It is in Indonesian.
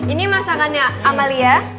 ini masakannya amalia